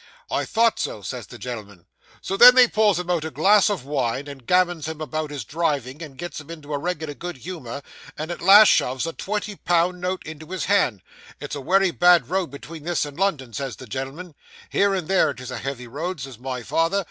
"I thought so," says the gen'l'm'n. So then they pours him out a glass of wine, and gammons him about his driving, and gets him into a reg'lar good humour, and at last shoves a twenty pound note into his hand. "It's a wery bad road between this and London," says the gen'l'm'n. "Here and there it is a heavy road," says my father.